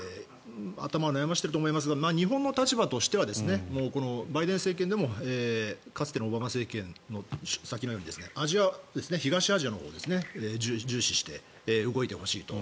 頭を悩ませていると思いますが日本の立場としてはバイデン政権でもかつてのオバマ政権の先のように東アジアのほうを重視して動いてほしいと。